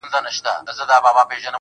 تامي د خوښۍ سترگي راوباسلې مړې دي كړې.